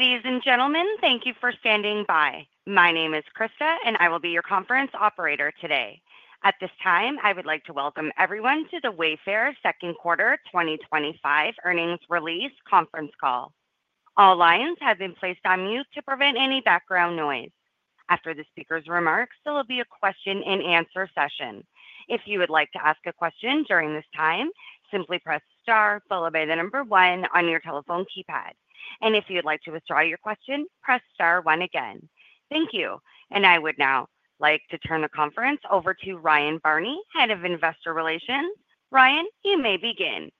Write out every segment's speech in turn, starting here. Ladies and gentlemen, thank you for standing by. My name is Krista and I will be your conference operator today. At this time, I would like to welcome everyone to the Wayfair second quarter 2025 earnings release conference call. All lines have been placed on mute to prevent any background noise. After the speaker's remarks, there will be a question and answer session. If you would like to ask a question during this time, simply press star followed by the number one on your telephone keypad. If you'd like to withdraw your question, press star one again. Thank you. I would now like to turn the conference over to Ryan Barney, Head of Investor Relations. Ryan, you may begin.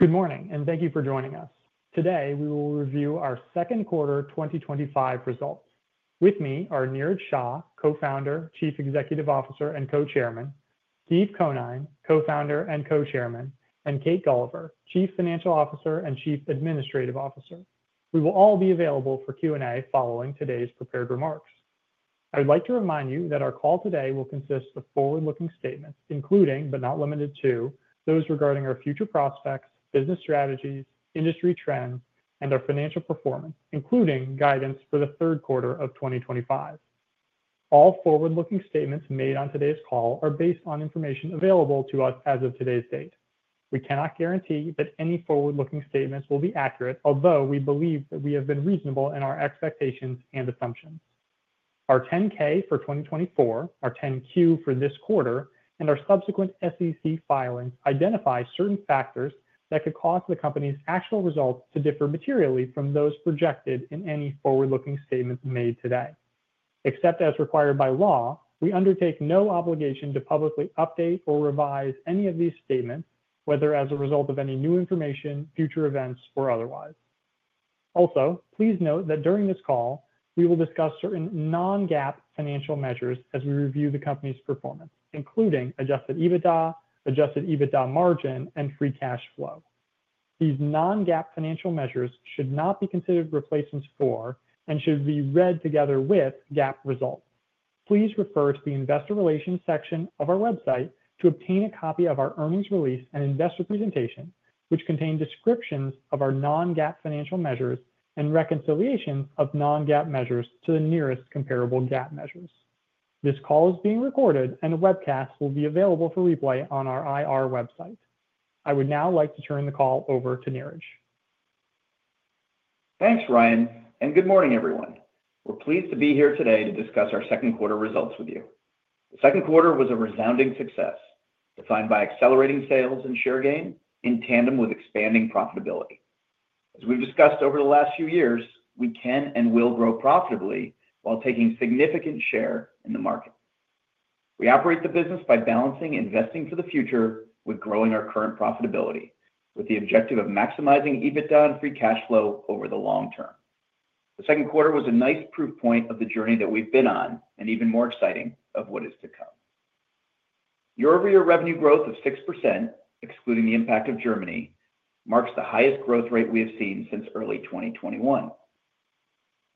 Good morning and thank you for joining us today. We will review our second quarter 2025 results. With me are Niraj Shah, Co-Founder, Chief Executive Officer and Co-Chairman, Steve Conine, Co-Founder and Co-Chairman, and Kate Gulliver, Chief Financial Officer and Chief Administrative Officer. We will all be available for Q&A following today's prepared remarks. I would like to remind you that our call today will consist of forward-looking statements including, but not limited to, those regarding our future prospects, business strategies, industry trends, and our financial performance, including guidance for the third quarter of 2025. All forward-looking statements made on today's call are based on information available to us as of today's date. We cannot guarantee that any forward-looking statements will be accurate, although we believe that we have been reasonable in our expectations and assumptions. Our Form 10-K for 2024, our Form 10-Q for this quarter, and our subsequent SEC filings identify certain factors that could cause the Company's actual results to differ materially from those projected in any forward-looking statement made today. Except as required by law, we undertake no obligation to publicly update or revise any of these statements, whether as a result of any new information, future events, or otherwise. Also, please note that during this call we will discuss certain non-GAAP financial measures as we review the Company's performance, including adjusted EBITDA, adjusted EBITDA margin, and free cash flow. These non-GAAP financial measures should not be considered replacements for and should be read together with GAAP results. Please refer to the Investor Relations section of our website to obtain a copy of our earnings release and investor presentation, which contain descriptions of our non-GAAP financial measures and reconciliations of non-GAAP measures to the nearest comparable GAAP measures. This call is being recorded and a webcast will be available for replay on our IR website. I would now like to turn the call over to Niraj. Thanks, Ryan, and good morning everyone. We're pleased to be here today to discuss our second quarter results with you. The second quarter was a resounding success defined by accelerating sales and share gain in tandem with expanding profitability. As we've discussed over the last few years, we can and will grow profitably while taking significant share in the market. We operate the business by balancing investing for the future with growing our current profitability with the objective of maximizing EBITDA and free cash flow over the long term. The second quarter was a nice proof point of the journey that we've been on and even more exciting of what is to come year-over-year. Revenue growth of 6%, excluding the impact of Germany, marks the highest growth rate we have seen since early 2021.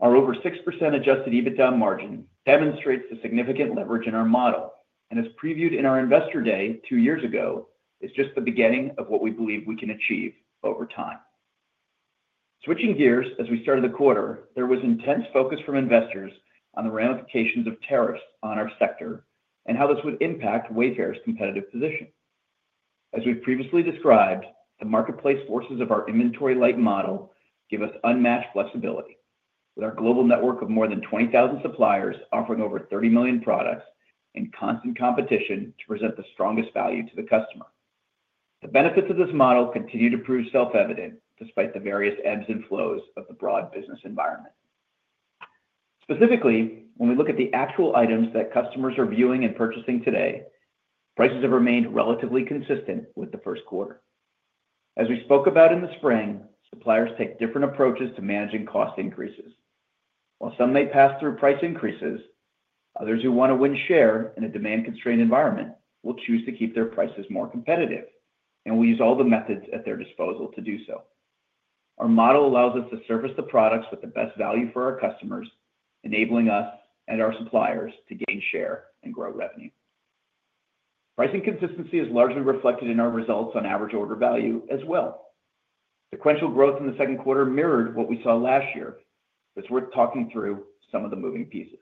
Our over 6% adjusted EBITDA margin demonstrates the significant leverage in our model and, as previewed in our Investor Day two years ago, is just the beginning of what we believe we can achieve over time. Switching gears, as we started the quarter, there was intense focus from investors on the ramifications of tariffs on our sector and how this would impact Wayfair's competitive position. As we've previously described, the marketplace forces of our inventory-like model give us unmatched flexibility with our global network of more than 20,000 suppliers offering over 30 million products and constant competition to present the strongest value to the customer. The benefits of this model continue to prove self-evident despite the various ebbs and flows of the broad business environment. Specifically, when we look at the actual items that customers are viewing and purchasing today, prices have remained relatively consistent with the first quarter. As we spoke about in the spring, suppliers take different approaches to managing cost increases. While some may pass through price increases, others who want to win share in a demand-constrained environment will choose to keep their prices more competitive and use all the methods at their disposal to do so. Our model allows us to surface the products with the best value for our customers, enabling us and our suppliers to gain share and grow revenue. Pricing consistency is largely reflected in our results on average order value as well. Sequential growth in the second quarter mirrored what we saw last year. It's worth talking through some of the moving pieces.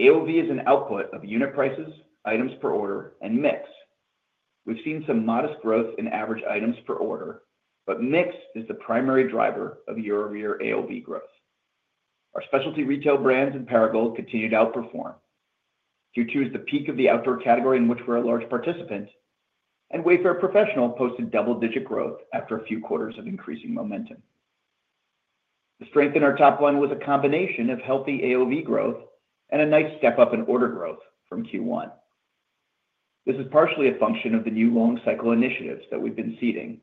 AOV is an output of unit prices, items per order, and mix. We've seen some modest growth in average items per order, but mix is the primary driver of year-over-year AOV growth. Our specialty retail brands in Perigold continue to outperform due to the peak of the outdoor category in which we're a large participant, and Wayfair Professional posted double-digit growth after a few quarters of increasing momentum. The strength in our top line was a combination of healthy AOV growth and a nice step up in order growth from Q1. This is partially a function of the new long cycle initiatives that we've been seeding,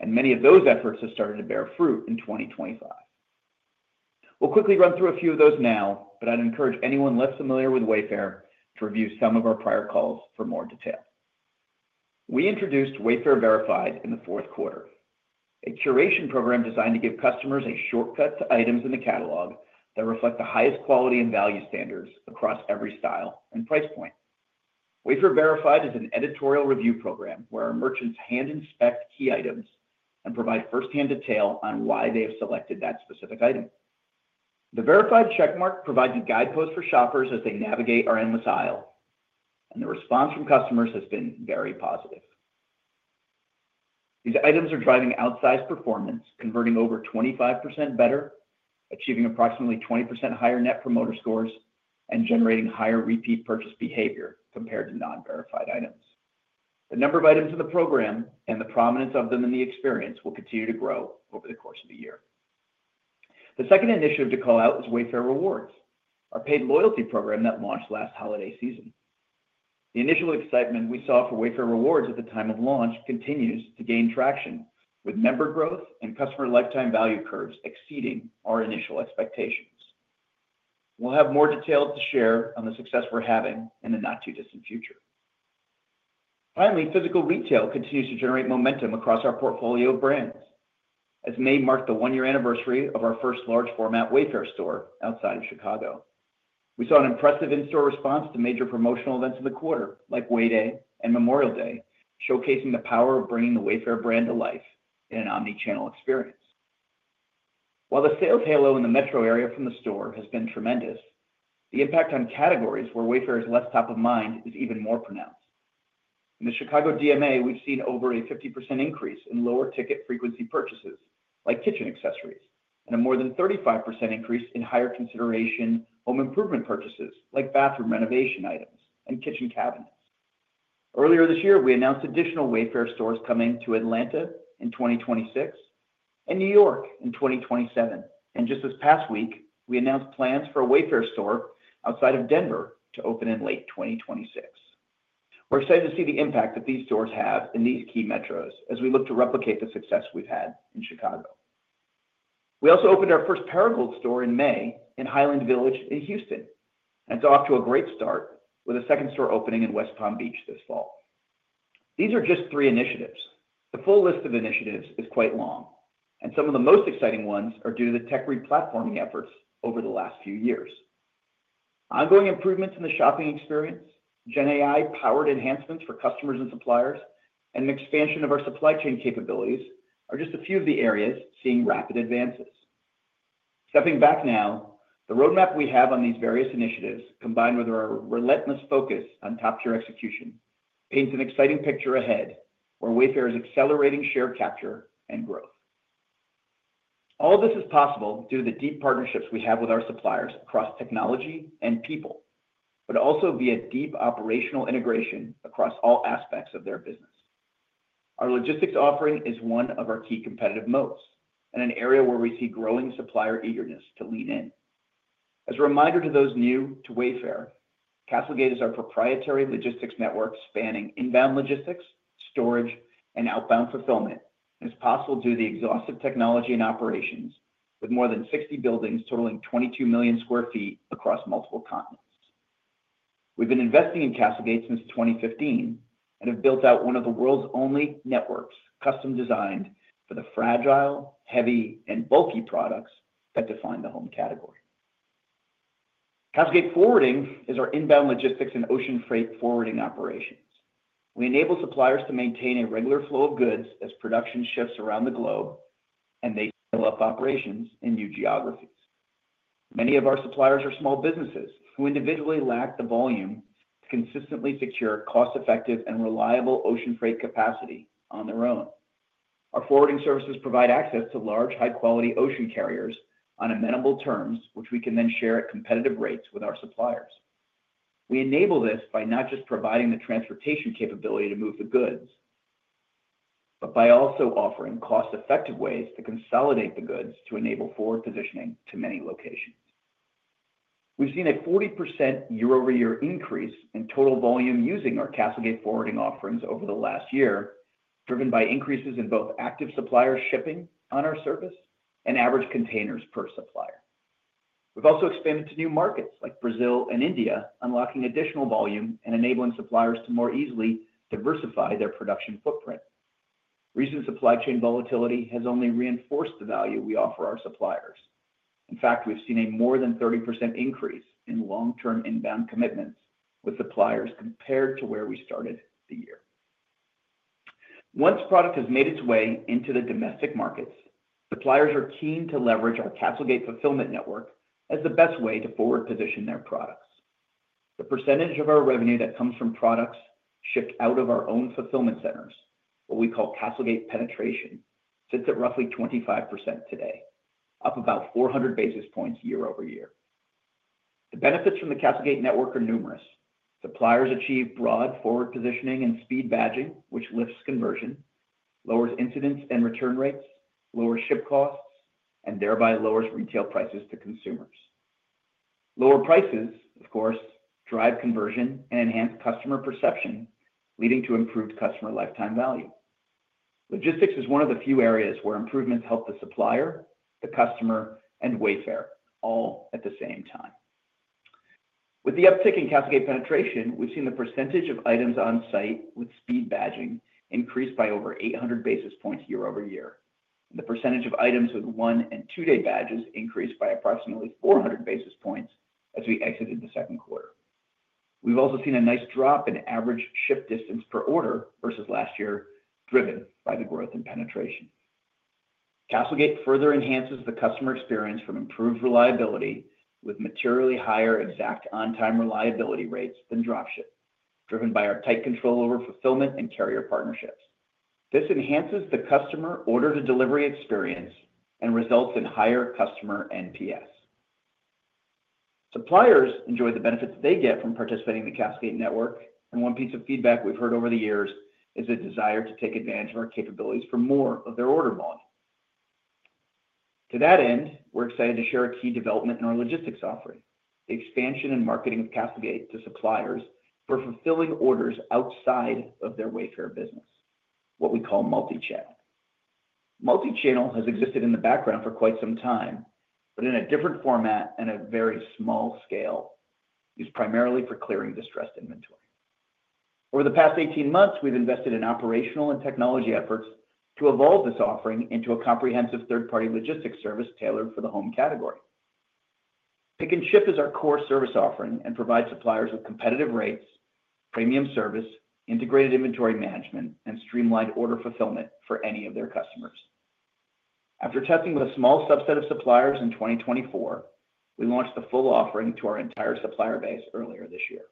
and many of those efforts have started to bear fruit in 2025. I'll quickly run through a few of those now, but I'd encourage anyone less familiar with Wayfair to review some of our prior calls for more detail. We introduced Wayfair Verified in the fourth quarter, a curation program designed to give customers a shortcut to items in the catalog that reflect the highest quality and value standards across every style and price point. Wayfair Verified is an editorial review program where merchants hand inspect key items and provide firsthand detail on why they have selected that specific item. The verified check mark provides a guidepost for shoppers as they navigate our endless aisle, and the response from customers has been very positive. These items are driving outsized performance, converting over 25% better, achieving approximately 20% higher net promoter scores, and generating higher repeat purchase behavior compared to nonverified items. The number of items in the program and the prominence of them in the experience will continue to grow over the course of the year. The second initiative to call out is Wayfair Rewards, our paid loyalty program that launched last holiday season. The initial excitement we saw for Wayfair Rewards at the time of launch continues to gain traction, with member growth and customer lifetime value curves exceeding our initial expectations. We'll have more detail to share on the success we're having in the not too distant future. Finally, physical retail continues to generate momentum across our portfolio of brands. May marked the one year anniversary of our first large format Wayfair store outside of Chicago. We saw an impressive in store response to major promotional events in the quarter like Way Day and Memorial Day, showcasing the power of bringing the Wayfair brand to life in an omnichannel experience. While the sales halo in the metro area from the store has been tremendous, the impact on categories where Wayfair is less top of mind is even more pronounced. In the Chicago DMA, we've seen over a 50% increase in lower ticket frequency purchases like kitchen accessories and a more than 35% increase in higher consideration home improvement purchases like bathroom renovation items and kitchen cabinets. Earlier this year we announced additional Wayfair stores coming to Atlanta in 2026 and New York in 2027. Just this past week we announced plans for a Wayfair store outside of Denver to open in late 2026. We're excited to see the impact that these stores have in these key metros as we look to replicate the success we've had in Chicago. We also opened our first Perigold store in May in Highland Village in Houston, and it's off to a great start with a second store opening in West Palm Beach this fall. These are just three initiatives. The full list of initiatives is quite long, and some of the most exciting ones are due to the tech replatforming efforts over the last few years. Ongoing improvements in the shopping experience, GenAI powered enhancements for customers and suppliers, and an expansion of our supply chain capabilities are just a few of the areas seeing rapid advances. Stepping back now, the roadmap we have on these various initiatives combined with our relentless focus on top tier execution paints an exciting picture ahead where Wayfair is accelerating share capture and growth. All this is possible due to the deep partnerships we have with our suppliers across technology and people, but also via deep operational integration across all aspects of their business. Our logistics offering is one of our key competitive moats and an area where we see growing supplier eagerness to lean in. As a reminder to those new to Wayfair, CastleGate is our proprietary logistics network spanning inbound logistics, storage, and outbound fulfillment. This is possible due to the exhaustive technology and operations with more than 60 buildings totaling 22 million sq ft across multiple continents. We've been investing in CastleGate since 2015 and have built out one of the world's only networks custom designed for the fragile, heavy, and bulky products that define the home category. CastleGate Forwarding is our inbound logistics and ocean freight forwarding operation. We enable suppliers to maintain a regular flow of goods as production shifts around the globe and they fill up operations in new geographies. Many of our suppliers are small businesses who individually lack the volume to consistently secure cost effective and reliable ocean freight capacity on their own. Our forwarding services provide access to large, high quality ocean carriers on amenable terms, which we can then share at competitive rates with our suppliers. We enable this by not just providing the transportation capability to move the goods, but by also offering cost-effective ways to consolidate the goods to enable forward positioning to many locations. We've seen a 40% year-over-year increase in total volume using our CastleGate forwarding offerings over the last year, driven by increases in both active supplier shipping on our service and average containers per supplier. We've also expanded to new markets like Brazil and India, unlocking additional volume and enabling suppliers to more easily diversify their production footprint. Recent supply chain volatility has only reinforced the value we offer our suppliers. In fact, we've seen a more than 30% increase in long-term inbound commitments with suppliers compared to where we started the year. Once product has made its way into the domestic markets, suppliers are keen to leverage our CastleGate fulfillment network as the best way to forward position their products. The percentage of our revenue that comes from products shipped out of our own fulfillment centers, what we call CastleGate penetration, sits at roughly 25% today, up about 400 basis points year-over-year. The benefits from the CastleGate network are numerous. Suppliers achieve broad forward positioning and speed badging, which lifts conversion, lowers incidents and return rates, lowers ship costs, and thereby lowers retail prices to consumers. Lower prices, of course, drive conversion and enhance customer perception, leading to improved customer lifetime value. Logistics is one of the few areas where improvements help the supplier, the customer, and Wayfair all at the same time. With the uptick in CastleGate penetration, we've seen the percentage of items on site with speed badging increased by over 800 basis points year-over-year. The percentage of items with one and two day badges increased by approximately 400 basis points as we exited the second quarter. We've also seen a nice drop in average ship distance per order versus last year, driven by the growth in penetration. CastleGate further enhances the customer experience from improved reliability, with materially higher exact on-time reliability rates than dropship, driven by our tight control over fulfillment and carrier partnerships. This enhances the customer order-to-delivery experience and results in higher customer NPS. Suppliers enjoy the benefits they get from participating in the CastleGate network, and one piece of feedback we've heard over the years is a desire to take advantage of our capabilities for more of their order volume. To that end, we're excited to share a key development in our logistics offering, the expansion and marketing of CastleGate to suppliers for fulfilling orders outside of their Wayfair business. What we call multi-channel has existed in the background for quite some time, but in a different format and a very small scale used primarily for clearing distressed inventory. Over the past 18 months, we've invested in operational and technology efforts to evolve this offering into a comprehensive third-party logistics service tailored for the home category. Pick and Ship is our core service offering and provides suppliers with competitive rates, premium service, integrated inventory management, and streamlined order fulfillment for any of their customers. After testing with a small subset of suppliers in 2024, we launched the full offering to our entire supplier base earlier this year.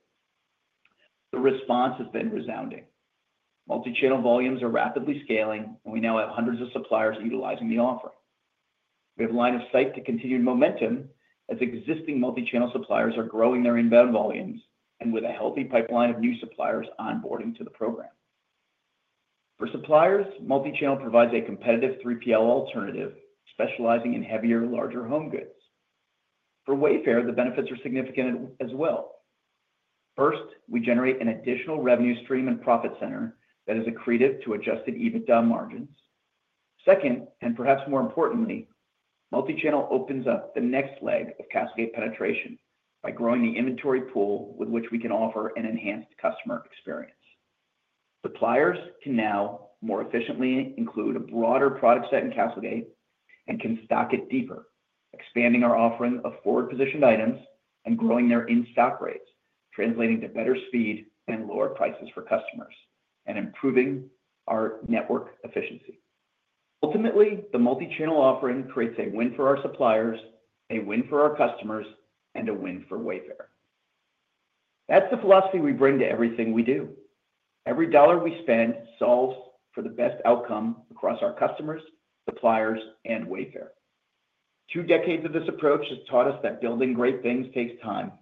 The response has been resounding. Multi-channel volumes are rapidly scaling, and we now have hundreds of suppliers utilizing the offering. We have line of sight to continued momentum as existing multi-channel suppliers are growing their inbound volumes and with a healthy pipeline of new suppliers onboarding to the program. For suppliers, multi-channel provides a competitive 3PL alternative specializing in heavier, larger home goods. For Wayfair, the benefits are significant as well. First, we generate an additional revenue stream and profit center that is accretive to adjusted EBITDA margins. Second, and perhaps more importantly, multi-channel opens up the next leg of CastleGate penetration by growing the inventory pool with which we can offer an enhanced customer experience. Suppliers can now more efficiently include a broader product set in CastleGate and can stock it deeper, expanding our offering of forward-positioned items and growing their in-stock rates, translating to better speed and lower prices for customers and improving our network efficiency. Ultimately, the multi-channel offering creates a win for our suppliers, a win for our customers, and a win for Wayfair. That's the philosophy we bring to everything we do. Every dollar we spend solves for the best outcome across our customers, suppliers, and Wayfair. Two decades of this approach has taught us that building great things takes time,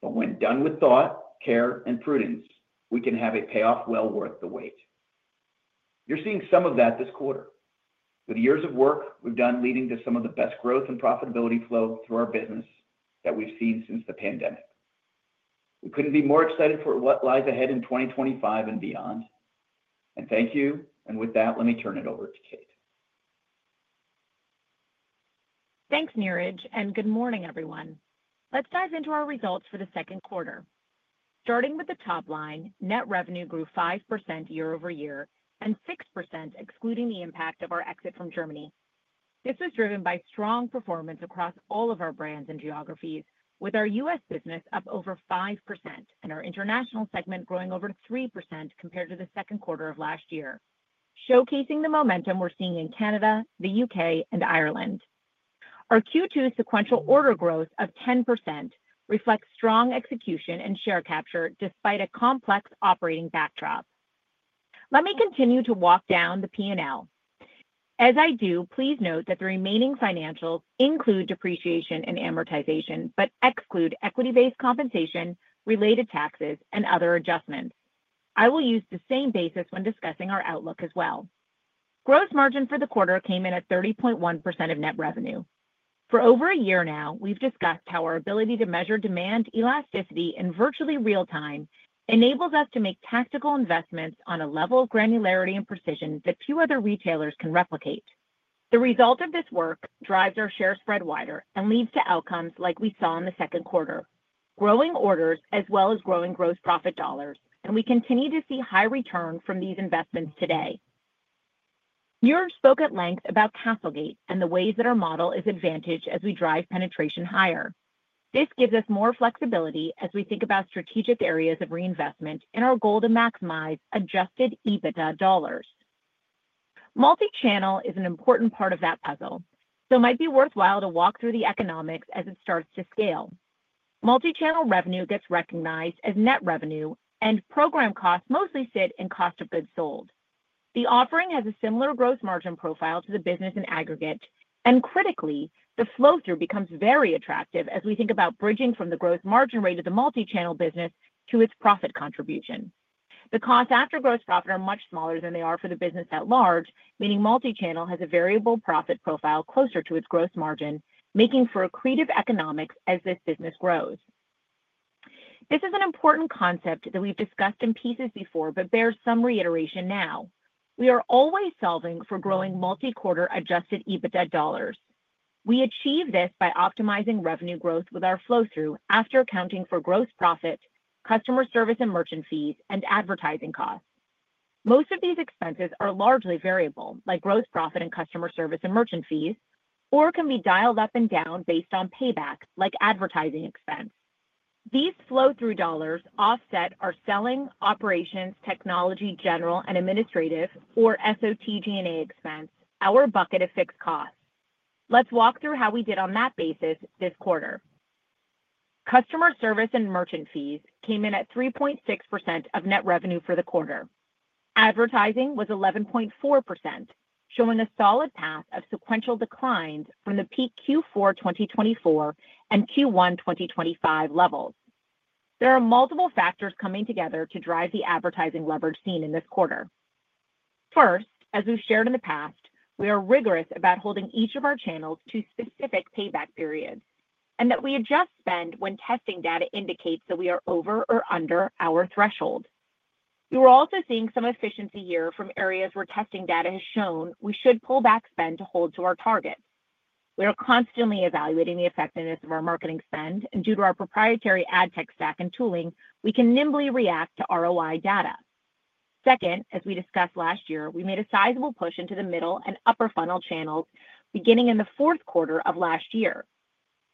but when done with thought, care, and prudence, we can have a payoff well worth the wait. You're seeing some of that this quarter. With years of work we've done leading to some of the best growth and profitability flow through our business that we've seen since the pandemic, we couldn't be more excited for what lies ahead in 2025 and beyond. Thank you. With that, let me turn it over to Kate. Thanks Niraj and good morning everyone. Let's dive into our results for the second quarter. Starting with the top line, net revenue grew 5% year-over-year and 6% excluding the impact of our exit from Germany. This was driven by strong performance across all of our brands and geographies, with our U.S. business up over 5% and our international segment growing over 3% compared to the second quarter of last year, showcasing the momentum we're seeing in Canada, the U.K., and Ireland. Our Q2 sequential order growth of 10% reflects strong execution and share capture despite a complex operating backdrop. Let me continue to walk down the P&L. As I do, please note that the remaining financials include depreciation and amortization, but exclude equity-based compensation, related taxes, and other adjustments. I will use the same basis when discussing our outlook as well. Gross margin for the quarter came in at 30.1% of net revenue. For over a year now, we've discussed how our ability to measure demand elasticity in virtually real time enables us to make tactical investments on a level of granularity and precision that few other retailers can replicate. The result of this work drives our share spread wider and leads to outcomes like we saw in the second quarter, growing orders as well as growing gross profit dollars, and we continue to see high return from these investments today. Joerg spoke at length about CastleGate and the ways that our model is advantaged as we drive penetration higher. This gives us more flexibility as we think about strategic areas of reinvestment and our goal to maximize adjusted EBITDA dollars. Multichannel is an important part of that puzzle, so it might be worthwhile to walk through the economics as it starts to scale. Multichannel revenue gets recognized as net revenue and program costs mostly sit in cost of goods sold. The offering has a similar gross margin profile to the business in aggregate and critically the flow through becomes very attractive as we think about bridging from the gross margin rate of the multichannel business to its profit contribution. The costs after gross profit are much smaller than they are for the business at large, meaning multichannel has a variable profit profile closer to its gross margin, making for accretive economics as this business grows. This is an important concept that we've discussed in pieces before but bears some reiteration now. We are always solving for growing multi quarter adjusted EBITDA dollars. We achieve this by optimizing revenue growth with our flow through after accounting for gross profit, customer service and merchant fees, and advertising costs. Most of these expenses are largely variable like gross profit and customer service and merchant fees, or can be dialed up and down based on payback. Like advertising expense, these flow through dollars offset our selling operations, technology, general and administrative or SOTG&A expense, our bucket of fixed costs. Let's walk through how we did on that basis this quarter. Customer service and merchant fees came in at 3.6% of net revenue. For the quarter, advertising was 11.4%, showing a solid path of sequential declines from the peak Q4 2024 and Q1 2025 levels. There are multiple factors coming together to drive the advertising leverage seen in this quarter. First, as we've shared in the past, we are rigorous about holding each of our channels to specific payback periods and that we adjust spend when testing data indicates that we are over or under our threshold. We're also seeing some efficiency here from areas where testing data has shown we should pull back spend to hold to our target. We are constantly evaluating the effectiveness of our marketing spend and due to our proprietary ad tech stack and tooling, we can nimbly react to ROI data. Second, as we discussed last year, we made a sizable push into the middle and upper funnel channels beginning in the fourth quarter of last year.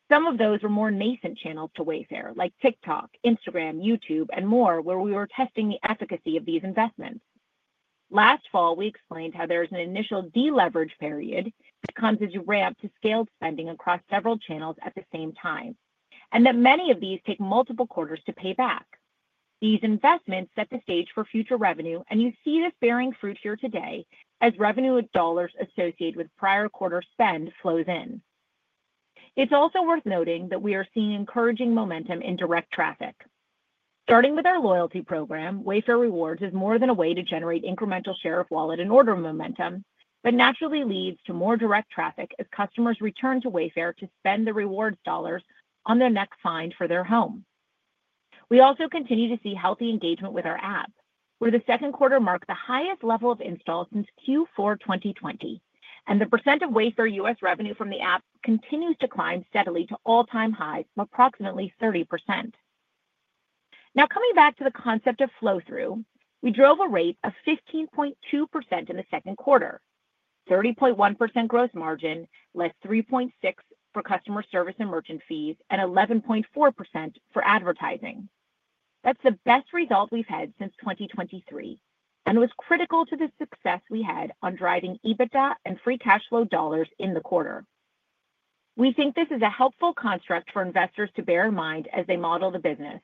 Some of those were more nascent channels to Wayfair like TikTok, Instagram, YouTube and more where we were testing the efficacy of these investments last fall. We explained how there is an initial deleverage period that comes as you ramp to scaled spending across several channels at the same time and that many of these take multiple quarters to pay back. These investments set the stage for future revenue and you see this bearing fruit here today as revenue dollars associated with prior quarter spend flows in. It's also worth noting that we are seeing encouraging momentum in direct traffic starting with our loyalty program. Wayfair Rewards is more than a way to generate incremental share of wallet and order momentum, but naturally leads to more direct traffic as customers return to Wayfair to spend the rewards dollars on their next find for their home. We also continue to see healthy engagement with our app, where the second quarter marked the highest level of installs since Q4 2020, and the percent of Wayfair U.S. revenue from the app continues to climb steadily to all-time highs of approximately 30%. Now, coming back to the concept of flow through, we drove a rate of 15.2% in the second quarter: 30.1% gross margin less 3.6% for customer service and merchant fees, and 11.4% for advertising. That's the best result we've had since 2023 and was critical to the success we had on driving EBITDA and free cash flow dollars in the quarter. We think this is a helpful construct for investors to bear in mind as they model the business,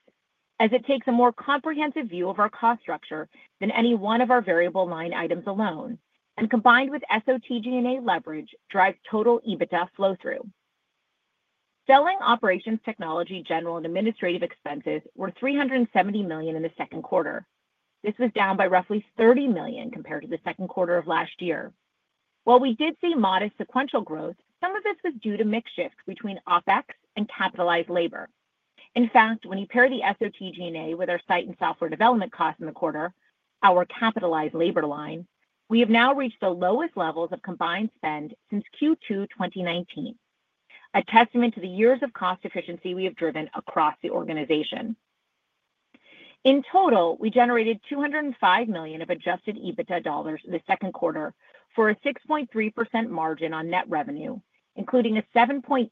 as it takes a more comprehensive view of our cost structure than any one of our variable line items alone, and combined with SOTG&A leverage drive, total EBITDA flow through selling, operations, technology, general and administrative expenses were $370 million in the second quarter. This was down by roughly $30 million compared to the second quarter of last year. While we did see modest sequential growth, some of this was due to mix shifts between OpEx and capitalized labor. In fact, when you pair the SOTG&A with our site and software development costs in the quarter, our capitalized labor line, we have now reached the lowest levels of combined spend since Q2 2019, a testament to the years of cost efficiency we have driven across the organization. In total, we generated $205 million of adjusted EBITDA dollars the second quarter for a 6.3% margin on net revenue, including a 7.8%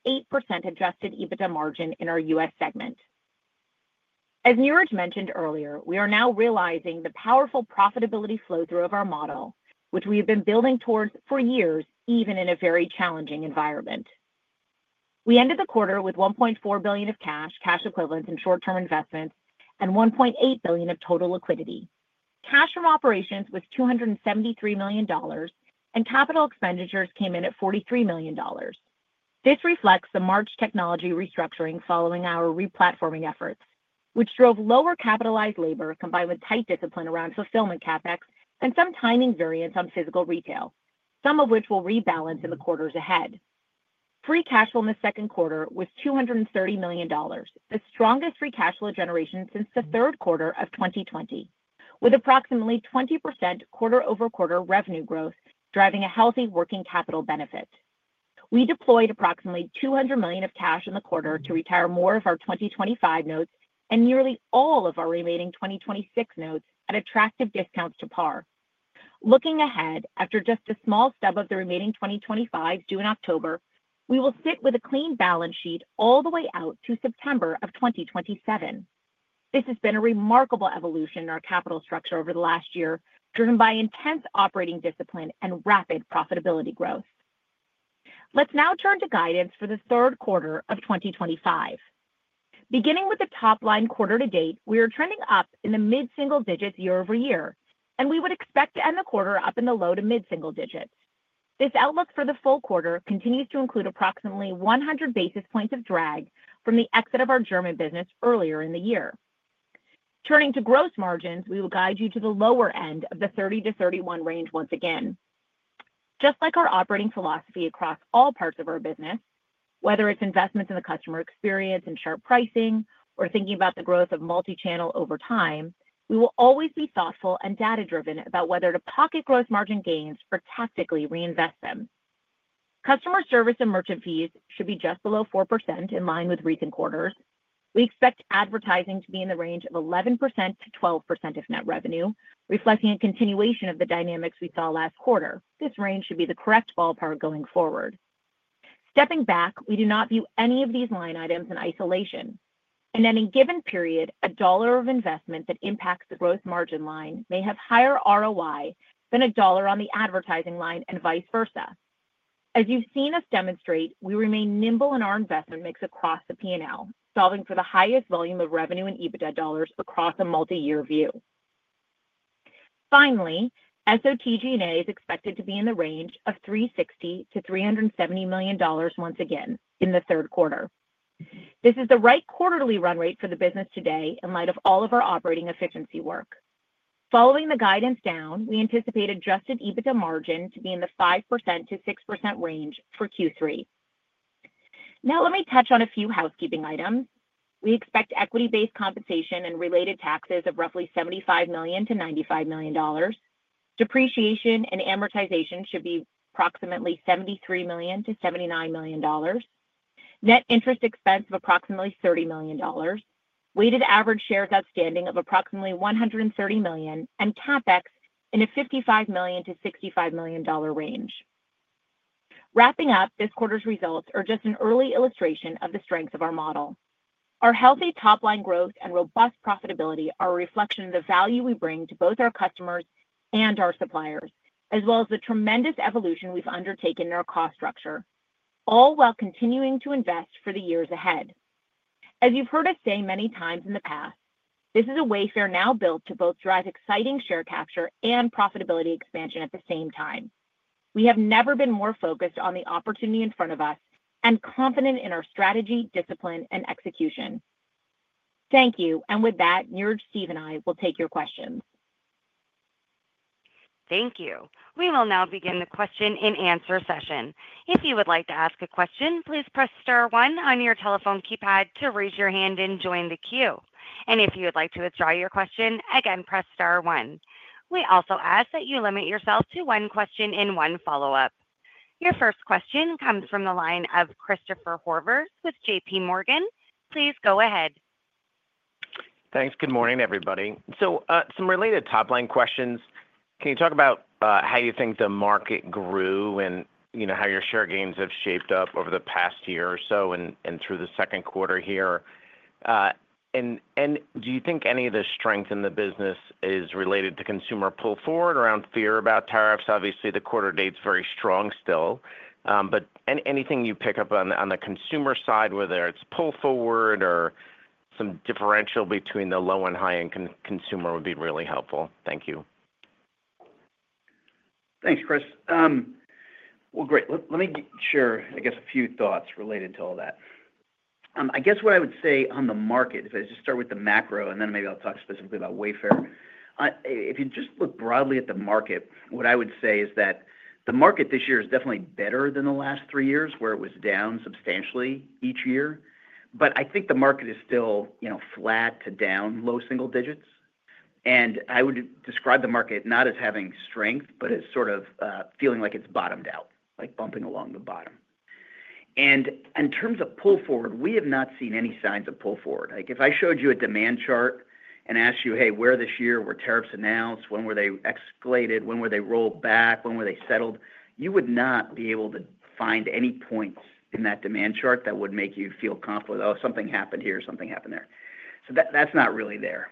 adjusted EBITDA margin in our U.S. segment. As Niraj mentioned earlier, we are now realizing the powerful profitability flow through of our model, which we have been building toward for years, even in a very challenging environment. We ended the quarter with $1.4 billion of cash, cash equivalents and short-term investments, and $1.8 billion of total liquidity. Cash from operations was $273 million, and capital expenditures came in at $43 million. This reflects the March technology restructuring following our replatforming efforts, which drove lower capitalized labor combined with tight discipline around fulfillment CapEx and some timing variance on physical retail, some of which will rebalance in the quarters ahead. Free cash flow in the second quarter was $230 million, the strongest free cash flow generation since the third quarter of 2020, with approximately 20% quarter-over-quarter revenue growth driving a healthy working capital benefit. We deployed approximately $200 million of cash in the quarter to retire more of our 2025 notes and nearly all of our remaining 2026 notes at attractive discounts to par. Looking ahead, after just a small stub of the remaining 2025 due in October, we will sit with a clean balance sheet all the way out to September of 2027. This has been a remarkable evolution in our capital structure over the last year, driven by intense operating discipline and rapid profitability growth. Let's now turn to guidance for the third quarter of 2025. Beginning with the top line, quarter to date, we are trending up in the mid-single digits year-over-year, and we would expect to end the quarter up in the low to mid-single digits. This outlook for the full quarter continues to include approximately 100 basis points of drag from the exit of our German business earlier in the year. Turning to gross margins, we will guide you to the lower end of the 30%-31% range. Once again, just like our operating philosophy across all parts of our business, whether it's investments in the customer experience and sharp pricing or thinking about the growth of multi-channel over time, we will always be thoughtful and data-driven about whether to pocket gross margin gains or tactically reinvest them. Customer service and merchant fees should be just below 4%, in line with recent quarters. We expect advertising to be in the range of 11%-12% of net revenue, reflecting a continuation of the dynamics we saw last quarter. This should be the correct ballpark going forward. Stepping back, we do not view any of these line items in isolation. In any given period, a dollar of investment that impacts the gross margin line may have higher ROI than a dollar on the advertising line and vice versa. As you've seen us demonstrate, we remain nimble in our investment mix across the P&L, solving for the highest volume of revenue and EBITDA dollars across a multi-year SOTG&A is expected to be in the range of $360 million-$370 million once again in the third quarter. This is the right quarterly run rate for the business today in light of all of our operating efficiency work. Following the guidance down, we anticipate adjusted EBITDA margin to be in the 5%-6% range for Q3. Now let me touch on a few housekeeping items. We expect equity-based compensation and related taxes of roughly $75 million-$95 million. Depreciation and amortization should be approximately $73 million-$79 million. Net interest expense of approximately $30 million, weighted average shares outstanding of approximately 130 million, and CapEx in a $55 million-$65 million range. Wrapping up, this quarter's results are just an early illustration of the strength of our model. Our healthy top line growth and robust profitability are a reflection of the value we bring to both our customers and our suppliers, as well as the tremendous evolution we've undertaken in our cost structure, all while continuing to invest for the years ahead. As you've heard us say many times in the past, this is a Wayfair now built to both drive exciting share capture and profitability expansion at the same time. We have never been more focused on the opportunity in front of us and confident in our strategy, discipline, and execution. Thank you. With that, Niraj, Steve, and I will take your questions. Thank you. We will now begin the question and answer session. If you would like to ask a question, please press star one on your telephone keypad to raise your hand and join the queue. If you would like to withdraw your question, again, press star one. We also ask that you limit yourself to one question and one follow up. Your first question comes from the line of Christopher Horvers with JPMorgan. Please go ahead. Thanks. Good morning everybody. Some related top line questions. Can you talk about how you think the market grew and how your share gains have shaped up over the past year or so and through the second quarter here? Do you think any of the strength in the business is related to consumer pull forward around fear about tariffs? Obviously, the quarter to date is very strong still, but anything you pick up on the consumer side, whether it's pull forward or some differential between the low and high end consumer would be really helpful. Thank you. Thanks, Chris. Great. Let me share a few thoughts related to all that. What I would say on the market, if I just start with the macro and then maybe I'll talk specifically about Wayfair. If you just look broadly at the market, what I would say is that the market this year is definitely better than the last three years where it was down substantially each year. I think the market is still flat to down low single digits. I would describe the market not as having strength but as feeling like it's bottomed out, like bumping along the bottom. In terms of pull forward, we have not seen any signs of pull forward. If I showed you a demand chart and asked you, hey, where this year were tariffs announced, when were they escalated, when were they rolled back, when were they settled, you would not be able to find any points in that demand chart that would make you feel confident, oh, something happened here, something happened there. That's not really there.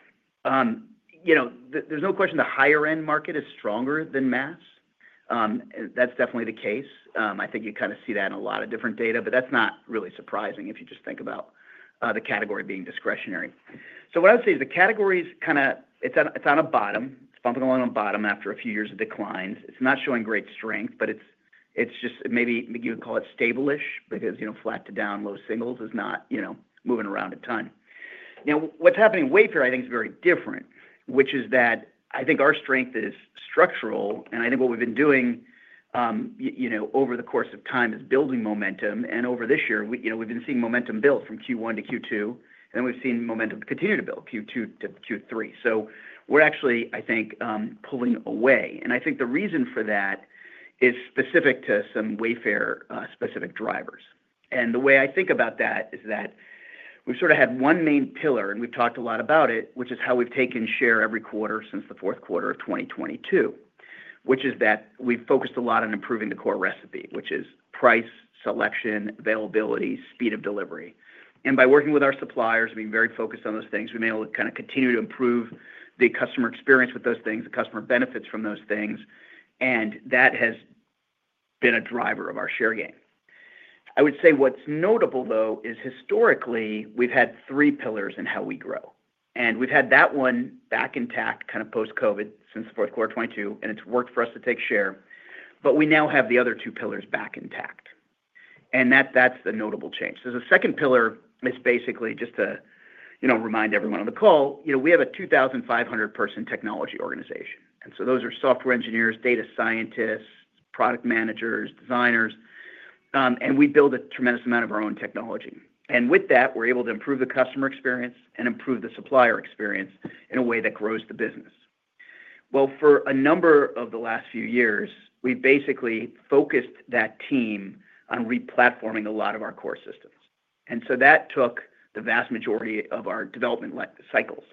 There's no question the higher end market is stronger than mass. That's definitely the case. I think you kind of see that in a lot of different data, but that's not really surprising if you just think about the category being discretionary. What I would say is the category is kind of on a bottom, bumping along a bottom. After a few years of declines, it's not showing great strength, but maybe you would call it stable because flat to down low singles is not moving around a ton. What's happening in Wayfair I think is very different, which is that I think our strength is structural. I think what we've been doing over the course of time is building momentum. Over this year we've been seeing momentum built from Q1 to Q2 and we've seen momentum continue to build Q2 to Q3. We're actually, I think, pulling away. I think the reason for that is specific to some Wayfair specific drivers. The way I think about that is that we sort of had one main pillar and we've talked a lot about it, which is how we've taken share every quarter since the fourth quarter of 2022, which is that we've focused a lot on improving the core recipe, which is price, selection, availability, speed of delivery. By working with our suppliers, being very focused on those things, we may continue to improve the customer experience with those things. The customer benefits from those things and that has been a driver of our share gain. I would say what's notable though is historically we've had three pillars in how we grow and we've had that one back intact kind of post Covid since 04-04-2022 and it's worked for us to take share. We now have the other two pillars back intact and that's the notable change. The second pillar is basically just to remind everyone on the call, we have a 2,500 person technology organization and those are software engineers, data scientists, product managers, designers and we build a tremendous amount of our own technology. With that we're able to improve the customer experience and improve the supplier experience in a way that grows the business. For a number of the last few years we basically focused that team on replatforming a lot of our core systems. That took the vast majority of our development cycles.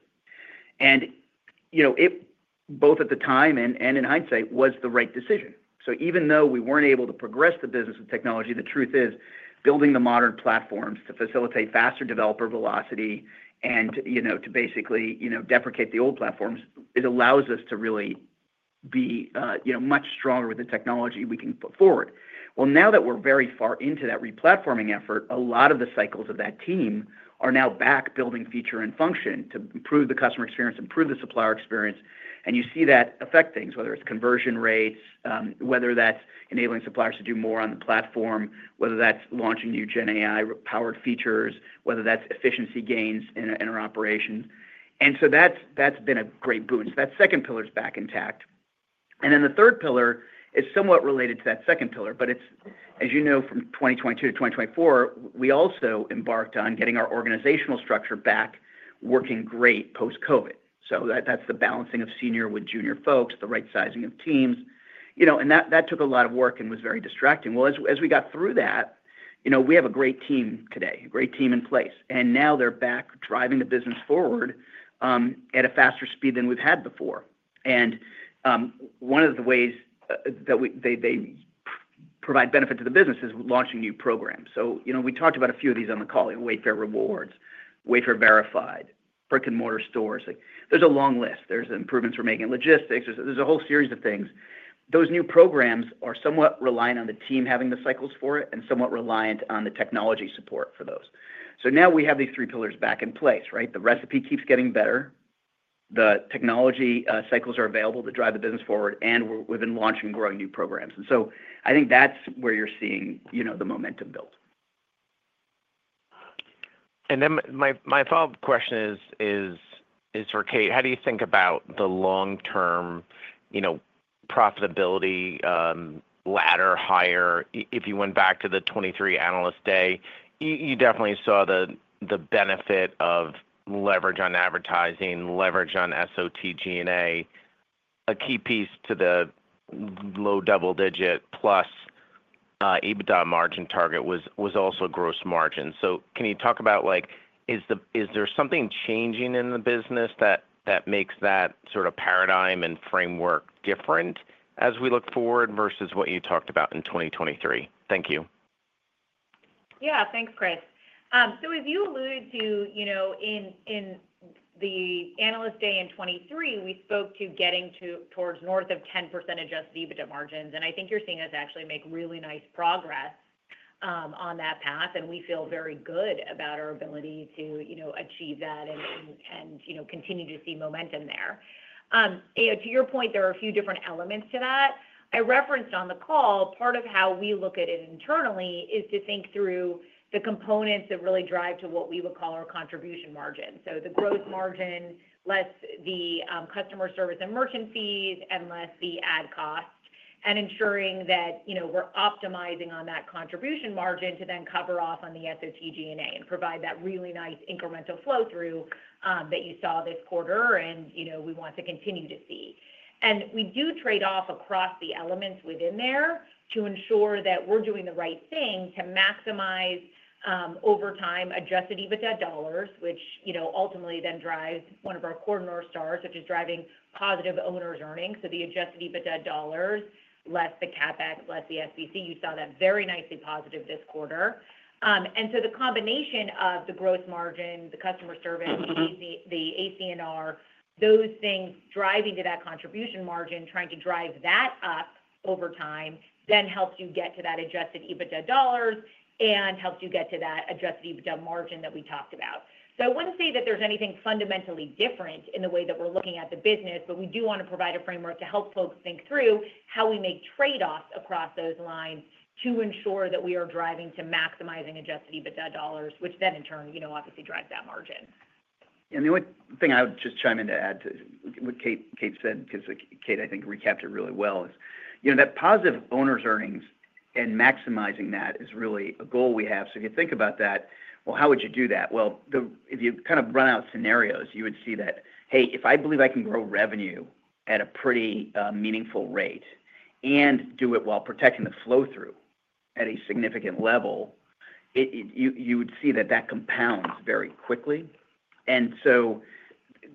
Both at the time and in hindsight was the right decision. Even though we weren't able to progress the business with technology, the truth is building the modern platforms to facilitate faster developer velocity and to basically deprecate the old platforms, it allows us to really be much stronger with the technology we can put forward. Now that we're very far into that replatforming effort, a lot of the cycles of that team are now back building feature and function to improve the customer experience, improve the supplier experience. You see that affect things, whether it's conversion rates, whether that's enabling suppliers to do more on the platform, whether that's launching new generative AI powered features, whether that's efficiency gains in our operation. That's been a great boon. That second pillar is back intact and then the third pillar is somewhat related to that second pillar. As you know, from 2022 to 2024 we also embarked on getting our organizational structure back working great post Covid. That's the balancing of senior with junior folks, the right sizing of teams, and that took a lot of work and was very distracting. As we got through that, we have a great team today, great team in place, and now they're back driving the business forward at a faster speed than we've had before. One of the ways that they provide benefit to the business is launching new programs. We talked about a few of these on the call: Wayfair Rewards, Wayfair Verified, brick and mortar stores. There's a long list. There's improvements we're making in logistics. There's a whole series of things. Those new programs are somewhat reliant on the team having the cycles for it and somewhat reliant on the technology support for those. Now we have these three pillars back in place. The recipe keeps getting better. The technology cycles are available to drive the business forward, and we've been launching and growing new programs. I think that's where you're seeing the momentum built. My follow up question is for Kate. How do you think about the long term profitability ladder higher? If you went back to the 2023 analyst day, you definitely saw the benefit of leverage on advertising, leverage on SOTG&A. A key piece to the low double digit plus EBITDA margin target was also gross margin. Can you talk about is there something changing in the business that makes that sort of paradigm and framework different as we look forward versus what you talked about in 2023? Thank you. Yeah, thanks Chris. As you alluded to, in the Analyst Day in 2023 we spoke to getting to towards north of 10% adjusted EBITDA margins and I think you're seeing us actually make really nice progress on that path and we feel very good about our ability to achieve that and continue to see momentum there. To your point, there are a few different elements to that I referenced on the call. Part of how we look at it internally is to think through the components that really drive to what we would call our contribution margin. The gross margin, less the customer service and merchant fees and less the ad cost and ensuring that we're optimizing on that contribution margin to then cover off on the SOTG&A and provide that really nice incremental flow through that you saw this quarter. We want to continue to see and we do trade off across the elements within there to ensure that we're doing the right thing to maximize over time adjusted EBITDA dollars which ultimately then drives one of our core north stars which is driving positive owner's earnings. The adjusted EBITDA dollars less the CapEx, less the SBC, you saw that very nicely positive this quarter. The combination of the gross margin, the customer service, the ACNR, those things driving to that contribution margin, trying to drive that up over time then helps you get to that adjusted EBITDA dollars and helps you get to that adjusted EBITDA margin that we talked about. I want to say that there's anything fundamentally different in the way that we're looking at the business. We do want to provide a framework to help folks think through how we make trade offs across those lines to ensure that we are driving to maximizing adjusted EBITDA dollars, which then in turn obviously drives that margin. The only thing I would just chime in to add to what Kate said, because Kate, I think recapped it really well, is that positive owner’s earnings and maximizing that is really a goal we have. If you think about that, how would you do that? If you kind of run out scenarios, you would see that if I believe I can grow revenue at a pretty meaningful rate and do it while protecting the flow through at a significant level, you would see that compounds very quickly.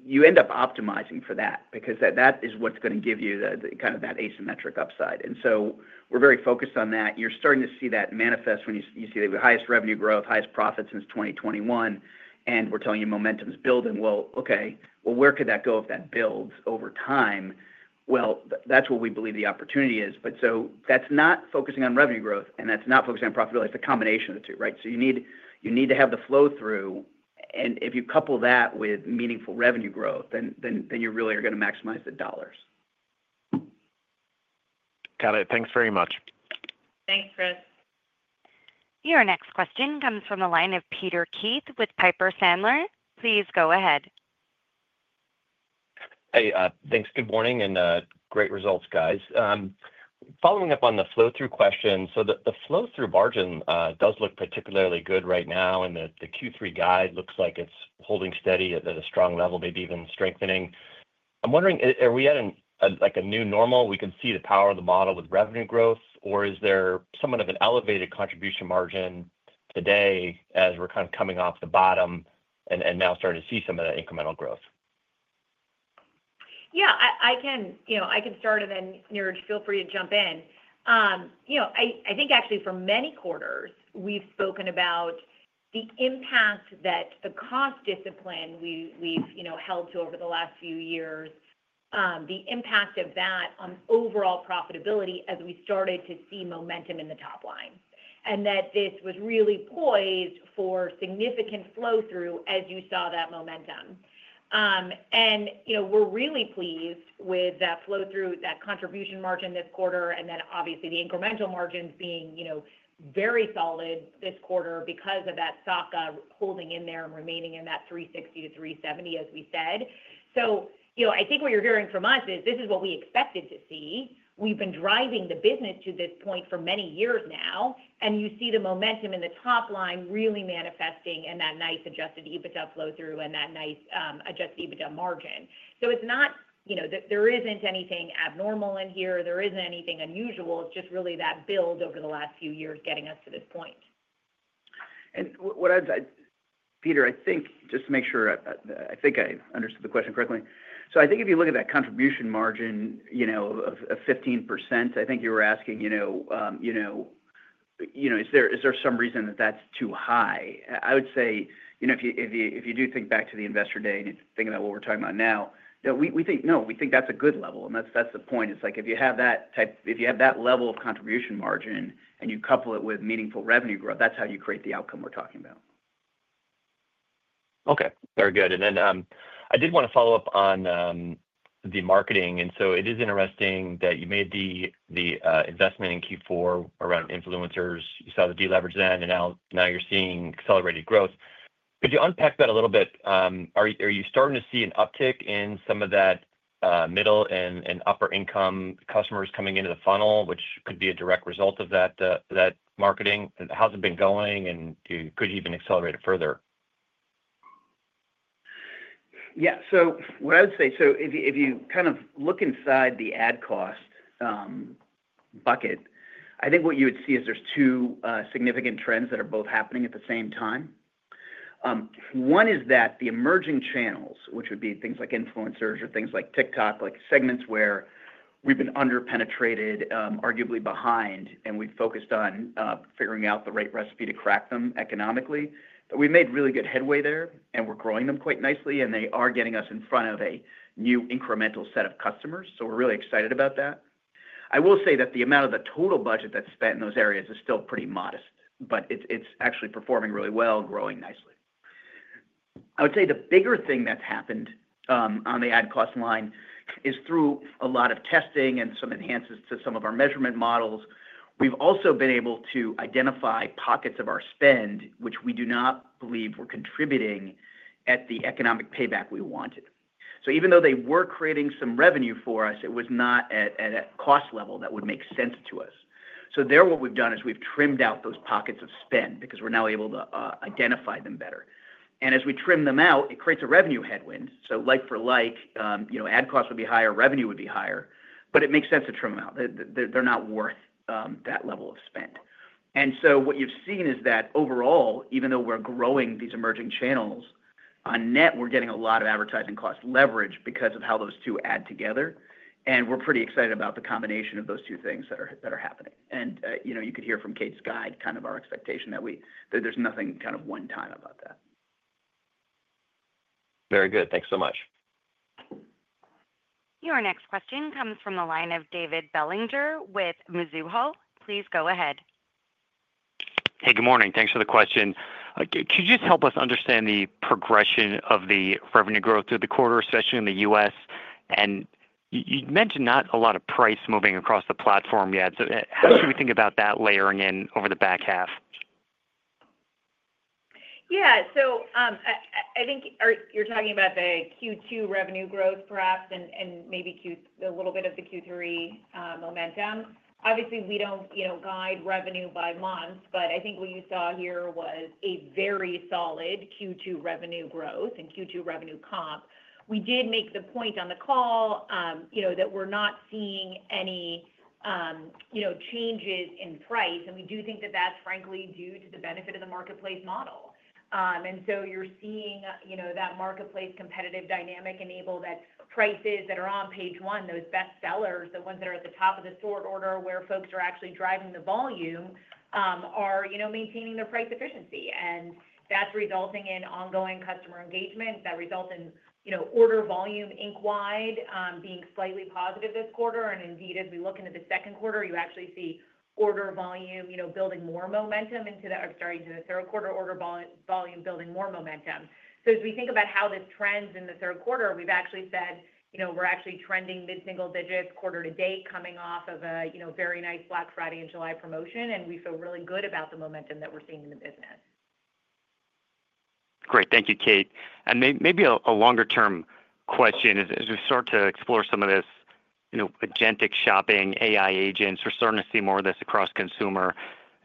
You end up optimizing for that because that is what's going to give you that asymmetric upside. We are very focused on that. You're starting to see that manifest when you see the highest revenue growth, highest profit since 2021. We're telling you momentum is building. Where could that go if that builds over time? That is what we believe the opportunity is. That is not focusing on revenue growth and that is not focusing on profitability. It's a combination of the two. You need to have the flow through and if you couple that with meaningful revenue growth, then you really are going to maximize the dollars. Got it. Thanks very much. Thanks, Chris. Your next question comes from the line of Peter Keith with Piper Sandler. Please go ahead. Hey, thanks. Good morning and great results, guys. Following up on the flow through question. The flow through margin does look particularly good right now, and the Q3 guide looks like it's holding steady at a strong level, maybe even strengthening. I'm wondering, are we at like a new normal? We can see the power of the model with revenue growth, or is there somewhat of an elevated contribution margin today as we're kind of coming off the bottom and now starting to see some of that incremental growth? Yeah, I can start and then Niraj, feel free to jump in. I think actually for many quarters we've spoken about the impact that the cost discipline we've held to over the last few years, the impact of that on overall profitability as we started to see momentum in the top line and that this was really poised for significant flow through as you saw that momentum. We're really pleased with that flow through, that contribution margin this quarter. Obviously, the incremental margins being very solid this quarter because of that SOCA holding in there and remaining in that 360 to 370, as we said. I think what you're hearing from us is this is what we expected to see. We've been driving the business to this point for many years now. You see the momentum in the top line really manifesting and that nice adjusted EBITDA flow through and that nice adjusted EBITDA margin. It's not, there isn't anything abnormal in here. There isn't anything unusual. It's just really that build over the last few years getting us to this point. Peter, I think, just to make sure, I think I understood the question correctly. If you look at that contribution margin, you know, of 15%, I think you were asking, you know, is there some reason that that's too high? I would say, if you do think back to the investor day and you think about what we're talking about now, we think that's a good level. That's the point. It's like if you have that level of contribution margin and you couple it with meaningful revenue growth, that's how you create the outcome we're talking about. Okay, very good. I did want to follow up on the marketing. It is interesting that you made the investment in Q4 around influencers. You saw the deleverage then and now you're seeing accelerated growth. Could you unpack that a little bit? Are you starting to see an uptick in some of that middle and upper income customers coming into the funnel, which could be a direct result of that marketing? How's it been going and could you even accelerate it further? Yeah, what I would say, if you kind of look inside the ad cost bucket, I think what you would see is there's two significant trends that are both happening at the same time. One is that the emerging channels, which would be things like influencers or things like TikTok, like segments where we've been underpenetrated, arguably behind, and we focused on figuring out the right recipe to crack them economically. We made really good headway there and we're growing them quite nicely and they are getting us in front of a new incremental set of customers. We're really excited about that. I will say that the amount of the total budget that's spent in those areas is still pretty modest, but it's actually performing really well, growing nicely. I would say the bigger thing that's happened on the ad cost line is through a lot of testing and some enhancements to some of our measurement models, we've also been able to identify pockets of our spend which we do not believe were contributing at the economic payback we wanted. Even though they were creating some revenue for us, it was not at a cost level that would make sense to us. What we've done is we've trimmed out those pockets of spend because we're now able to identify them better. As we trim them out, it creates a revenue headwind. For like, you know, ad costs would be higher, revenue would be higher, but it makes sense to trim out. They're not worth that level of spend. What you've seen is that overall, even though we're growing these emerging channels on net, we're getting a lot of advertising cost leverage because of how those two add together. We're pretty excited about the combination of those two things that are happening. You could hear from Kate Gulliver's guide kind of our expectation that we, there's nothing kind of one time about that. Very good. Thanks so much. Your next question comes from the line of David Bellinger with Mizuho. Please go ahead. Hey, good morning. Thanks for the question. Could you just help us understand the progression of the revenue growth through the quarter, especially in the U.S., and you mentioned not a lot of price moving across the platform yet. How should we think about that layering in over the back half? Yeah. I think you're talking about the Q2 revenue growth perhaps, and maybe a little bit of the Q3 momentum. Obviously we don't guide revenue by months, but I think what you saw here was a very solid Q2 revenue growth in Q2 revenue comp. We did make the point on the call that we're not seeing any changes in price. We do think that that's frankly due to the benefit of the marketplace model. You're seeing that marketplace competitive dynamic enable that prices that are on page one, those best sellers, the ones that are at the top of the stored order, where folks are actually driving the volume, are maintaining their price efficiency and that's resulting in ongoing customer engagement that result in order volume ink wide being slightly positive this quarter. Indeed, as we look into the second quarter you actually see order volume building more momentum into the third quarter, order volume building more momentum. As we think about how this trends in the third quarter we've actually said we're actually trending mid single digits quarter to date, coming off of a very nice Black Friday in July promotion and we feel really good about the momentum that we're seeing in the business. Great, thank you Kate. Maybe a longer term question as we start to explore some of this agentic shopping AI agents, we're starting to see more of this across consumer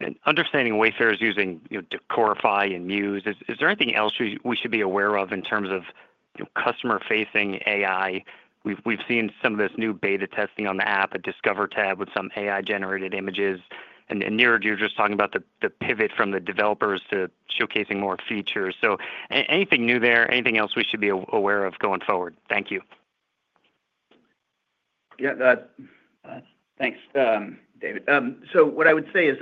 and understanding Wayfair's using Decorify and Muse. Is there anything else we should be aware of in terms of customer facing AI? We've seen some of this new beta testing on the app, a Discover tab with some AI generated images and Niraj, you were just talking about the pivot from the developers to showcasing more features. Anything new there? Anything else we should be aware of going forward? Thank you. Yeah, thanks David. What I would say is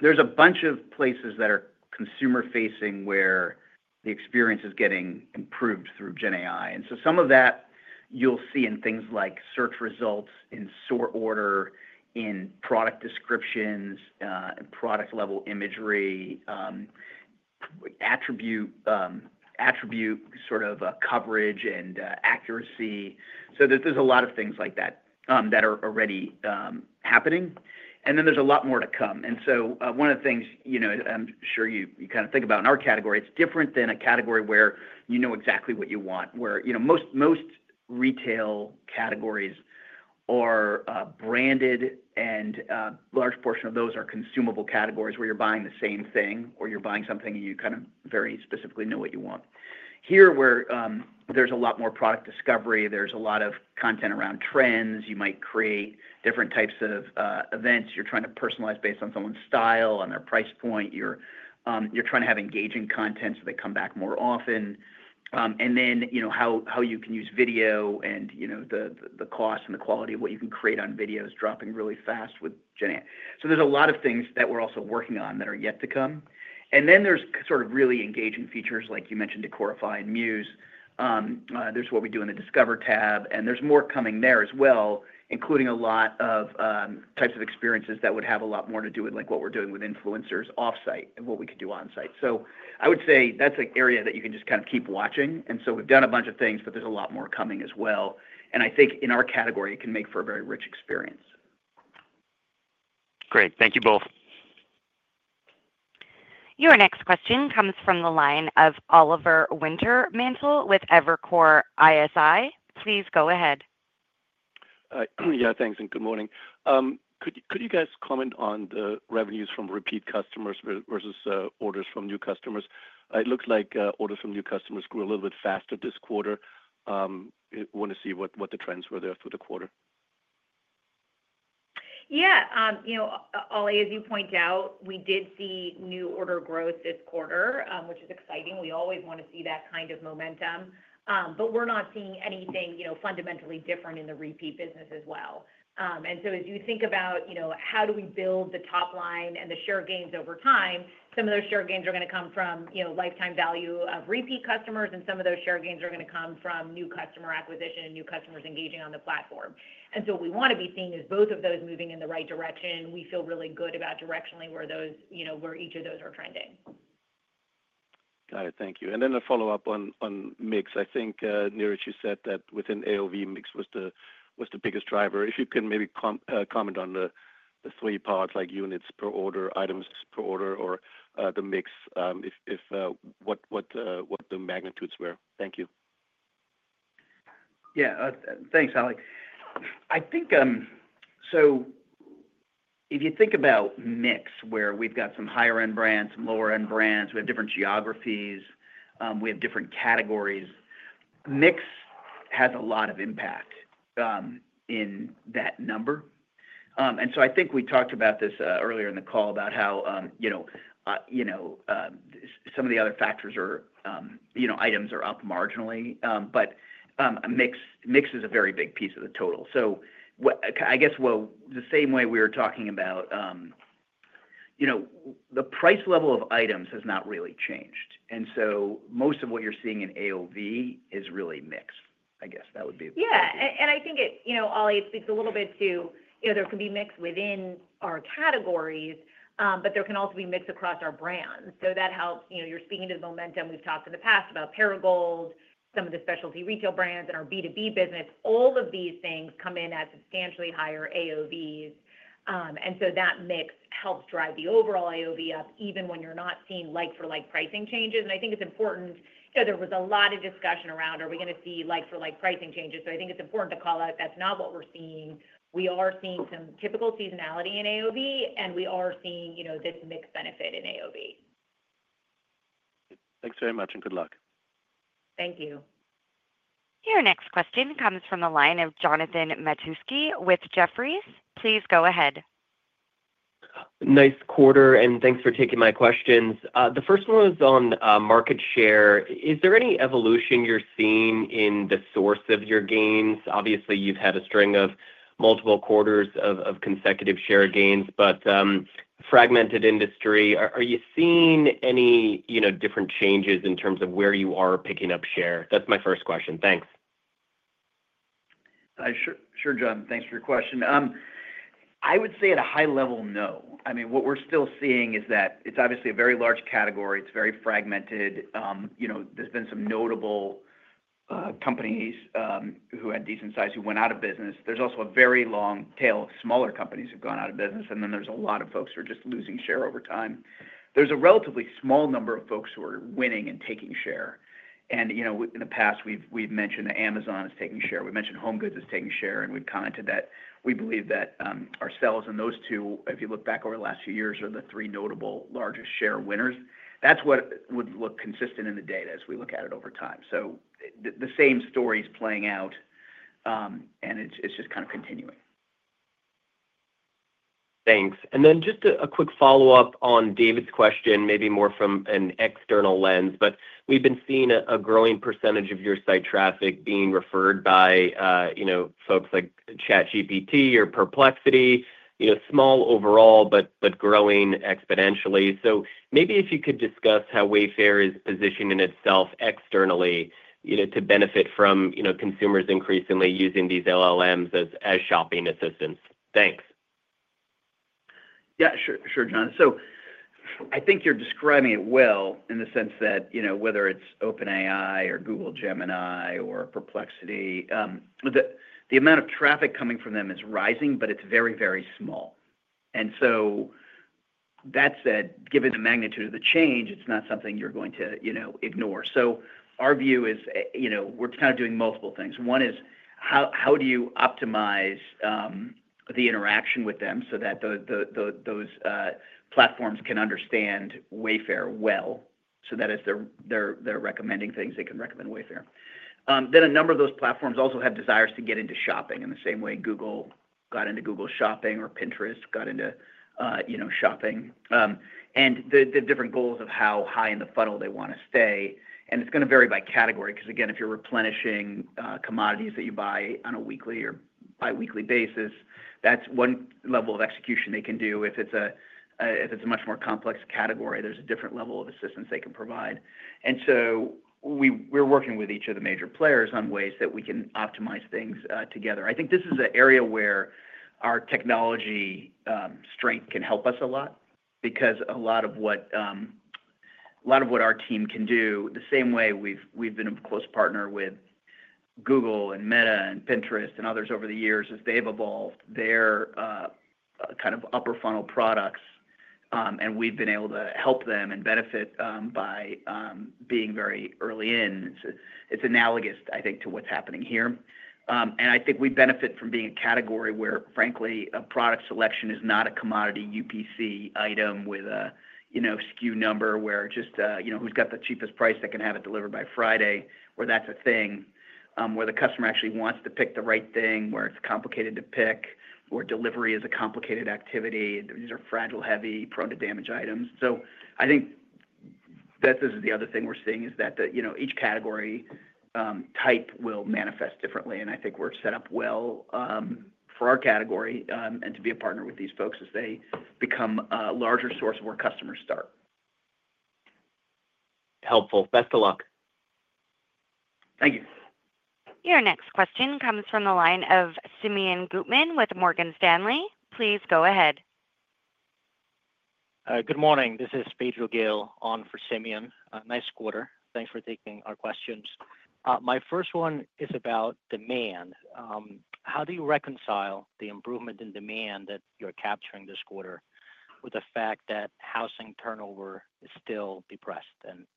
there's a bunch of places that are consumer facing where the experience is getting improved through generative AI. Some of that you'll see in things like search results, in sort order, in product descriptions, product level imagery, attribute coverage and accuracy. There are a lot of things like that that are already happening and then there's a lot more to come. One of the things you know, I'm sure you kind of think about in our category, it's different than a category where you know exactly what you want. Most retail categories are branded and a large portion of those are consumable categories where you're buying the same thing or you're buying something and you kind of very specifically know what you want. Here, where there's a lot more product discovery, there's a lot of content around trends, you might create different types of events, you're trying to personalize based on someone's stance on their price point. You're trying to have engaging content so they come back more often, and then how you can use video and the cost and the quality of what you can create on video is dropping really fast with generative AI. There are a lot of things that we're also working on that are yet to come. There are really engaging features like you mentioned, Decorify and Muse, there's what we do in the Discover tab and there's more coming there as well, including a lot of types of experiences that would have a lot more to do with what we're doing with influencers off site and what we could do on site. I would say that's an area that you can just kind of keep watching. We've done a bunch of things, but there's a lot more coming as well. I think in our category, it can make for a very rich experience. Great. Thank you both. Your next question comes from the line of Oliver Wintermantel with Evercore ISI. Please go ahead. Thank you, and good morning. Could you guys comment on the revenues from repeat customers versus orders from new customers? It looks like orders from new customers grew a little bit faster this quarter. Want to see what the trends were there for the quarter? Yeah. You know, Oli, as you point out, we did see new order growth this quarter, which is exciting. We always want to see that kind of momentum, but we're not seeing anything fundamentally different in the repeat business as well. As you think about how do we build the top line and the share gains over time, some of those share gains are going to come from lifetime value of repeat customers and some of those share gains are going to come from new customer acquisition and new customers engaging on the platform. We want to be seeing both of those moving in the right direction. We feel really good about directionally where each of those are trending. Got it, thank you. A follow up on mix. I think, Niraj, you said that within AOV, mix was the biggest driver. If you can maybe comment on the three parts like units per order, items per order, or the mix, what the magnitudes were. Thank you. Yeah, thanks, Oli. If you think about mix, where we've got some higher end brands, lower end brands, we have different geographies, we have different categories. Mix has a lot of impact in that number. I think we talked about this earlier in the call about how some of the other factors are, you know, items are up marginally, but mix is a very big piece of the total. The same way we were talking about, you know, the price level of items has not really changed. Most of what you're seeing in AOV is really mix. I guess that would be. Yeah. I think it, you know, it speaks a little bit to, you know, there could be mix within our categories, but there can also be mix across our brands. That helps. You're speaking to the momentum. We've talked in the past about Perigold, some of the specialty retail brands, and our B2B business. All of these things come in at substantially higher AOVs, and that mix helps drive the overall AOV up even when you're not seeing like-for-like pricing changes. I think it's important. There was a lot of discussion around are we going to see like-for-like pricing changes. I think it's important to call out that's not what we're seeing. We are seeing some typical seasonality in AOV, and we are seeing, you know, this mixed benefit in AOV. Thanks very much, and good luck. Thank you. Your next question comes from the line of Jonathan Matuszewski with Jefferies. Please go ahead. Nice quarter and thanks for taking my questions. The first one is on market share. Is there any evolution you're seeing in the source of your gains? Obviously you've had a string of multiple quarters of consecutive share gains, but fragmented industry, are you seeing any different changes in terms of where you are picking up share? That's my first question. Thanks. Sure, sure, Jon, thanks for your question. I would say at a high level, no. What we're still seeing is that it's obviously a very large category. It's very fragmented. There's been some notable companies who had decent size who went out of business. There's also a very long tail. Smaller companies have gone out of business. There's a lot of folks who are just losing share over time. There's a relatively small number of folks who are winning and taking share. In the past, we've mentioned that Amazon is taking share, we mentioned HomeGoods is taking share, and we've commented that we believe that ourselves. Those two, if you look back over the last few years, are the three notable largest share winners. That would look consistent in the data as we look at it over time. The same story is playing out and it's just kind of continuing. Thanks. And then just a quick follow up on David's question. Maybe more from an external lens, but we've been seeing a growing percentage of your site traffic being referred by, you know, folks like ChatGPT or Perplexity, you know, small overall but growing exponentially. Maybe if you could discuss how Wayfair is positioning itself externally to benefit from consumers increasingly using these LLMs as shopping assistance. Thanks. Yeah, sure, sure, Jon. I think you're describing it well in the sense that whether it's OpenAI or Google Gemini or Perplexity, the amount of traffic coming from them is rising, but it's very, very small. That said, given the magnitude of the change, it's not something you're going to ignore. Our view is we're kind of doing multiple things. One is how do you optimize the interaction with them so that those platforms can understand Wayfair well, so that as they're recommending things, they can recommend Wayfair. A number of those platforms also have desires to get into shopping in the same way Google got into Google Shopping or Pinterest got into shopping and the different goals of how high in the funnel they want to stay. It is going to vary by category because, again, if you're replenishing commodities that you buy on a weekly or bi-weekly basis, that's one level of execution they can do. If it's a much more complex category, there's a different level of assistance they can provide. We are working with each of the major players on ways that we can optimize things together. I think this is an area where our technology strength can help us a lot because a lot of what our team can do is the same way. We've been a close partner with Google and Meta and Pinterest and others over the years as they've evolved their kind of upper funnel products. We've been able to help them and benefit by being very early in. It is analogous, I think, to what's happening here. I think we benefit from being a category where, frankly, a product selection is not a commodity UPC item with a SKU number where it's just who's got the cheapest price that can have it delivered by Friday. That is a thing where the customer actually wants to pick the right thing, where it's complicated to pick or delivery is a complicated activity. These are fragile, heavy, prone to damage items. I think that this is the other thing we're seeing, that each category type will manifest differently. I think we're set up well for our category and to be a partner with these folks as they become a larger source where customers start. Helpful. Best of luck. Thank you. Your next question comes from the line of Simeon Gutman with Morgan Stanley. Please go ahead. Good morning, this is Pedro Gil on for Simeon. Nice quarter. Thanks for taking our questions. My first one is about demand. How do you reconcile the improvement in demand that you're capturing this quarter with the fact that housing turnover is still depressed?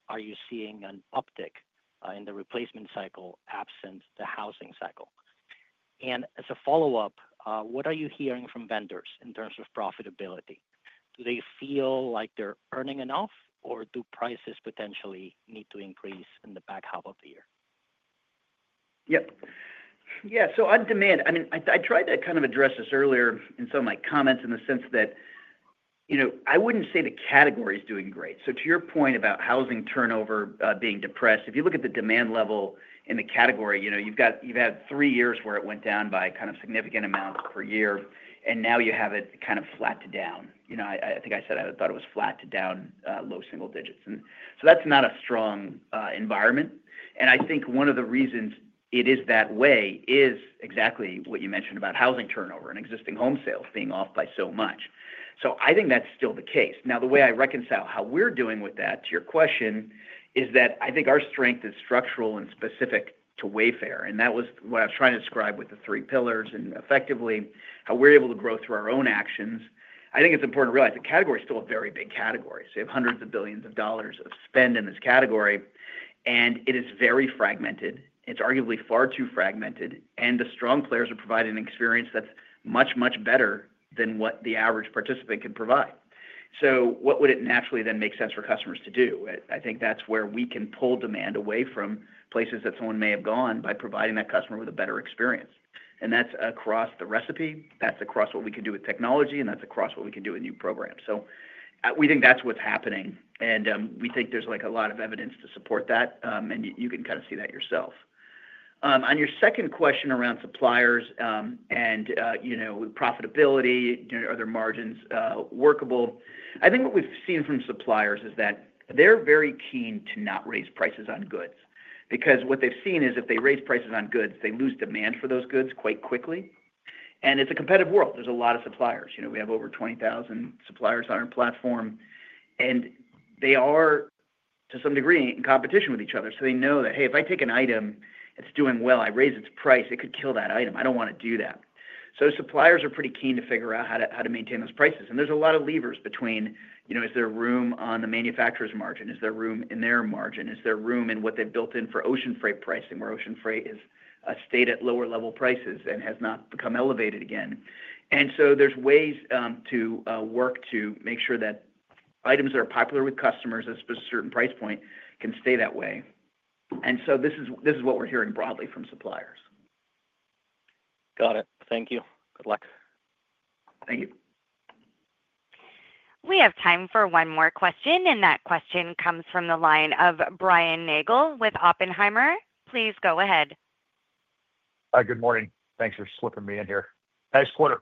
Are you seeing an uptick in the replacement cycle, absent the housing cycle? As a follow up, what are you hearing from vendors in terms of profitability? Do they feel like they're earning enough or do prices potentially need to increase in the back half of the year? Yep. On demand, I tried to kind of address this earlier in some of my comments in the sense that I wouldn't say the category is doing great. To your point about housing turnover being depressed, if you look at the demand level in the category, you've had three years where it went down by kind of significant amounts per year and now you have it kind of flat to down. I think I said I thought it was flat to down, low single digits. That's not a strong environment. One of the reasons it is that way is exactly what you mentioned about housing turnover and existing home sales being off by so much. I think that's still the case. The way I reconcile how we're doing with that to your question is that I think our strength is structural and specific to Wayfair. That was what I was trying to describe with the three pillars and effectively how we're able to grow through our own actions. I think it's important to realize the category is still a very big category. You have hundreds of billions of dollars of spend in this category and it is very fragmented, it's arguably far too fragmented. The strong players are providing an experience that's much, much better than what the average participant can provide. What would it naturally then make sense for customers to do? I think that's where we can pull demand away from places that someone may have gone by providing that customer with a better experience. That's across the recipe, that's across what we can do with technology, and that's across what we can do with new programs. We think that's what's happening and we think there's a lot of evidence to support that. You can kind of see that yourself. On your second question around suppliers and profitability, are their margins workable? I think what we've seen from suppliers is that they're very keen to not raise prices on goods, because what they've seen is if they raise prices on goods, they lose demand for those goods quite quickly. It's a competitive world. There are a lot of suppliers. You know, we have over 20,000 suppliers on our platform and they are to some degree in competition with each other. They know that, hey, if I take an item, it's doing well, I raise its price, it could kill that item. I don't want to do that. Suppliers are pretty keen to figure out how to maintain those prices. There are a lot of levers between, you know, is there room on the manufacturer's margin, is there room in their margin, is there room in what they've built in for ocean freight pricing, where ocean freight has stayed at lower level prices and has not become elevated again? There are ways to work to make sure that items that are popular with customers at a certain price point can stay that way. This is what we're hearing broadly from suppliers. Got it. Thank you. Good luck. Thank you. We have time for one more question. That question comes from the line of Brian Nagel with Oppenheimer. Please go ahead. Good morning. Thanks for slipping me in here. Nice quarter.